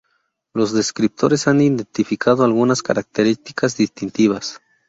Los descriptores han identificado algunas características distintivas.